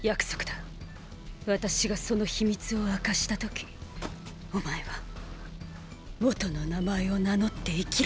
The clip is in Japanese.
私がその秘密を明かした時お前は元の名前を名乗って生きろ。